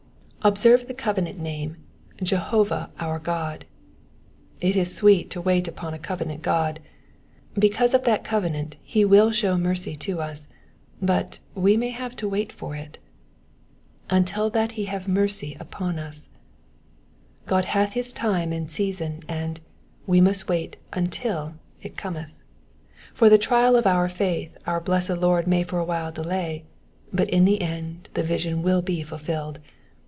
Observe the covenant name, '•'• Jehovah our God ^\' it is sweet to wait upon a covenant God. Because of that covenant he will show mercy to us ; but we may have to wait for it, Until that he have mercy upon us:'''* God hath his time and season, and we must wait untU it cometh. For the trial of our faith our blessed Lord may for awhile delay, but in the end the vision will be fulfilled.